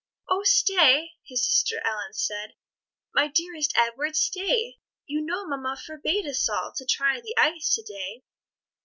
"Oh, stay," his sister Ellen said, "My dearest Edward, stay! You know mamma forbade us all To try the ice to day."